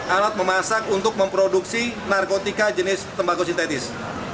alat memasak untuk memproduksi narkotika jenis tembakau sintetis